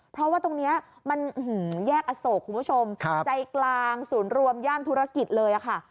เพราะว่าตรงนี้มันแยกอโศกคุณผู้ชมใจกลางศูนย์รวมย่านธุรกิจเลยค่ะ